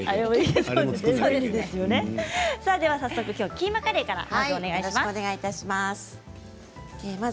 キーマカレーからお願いします。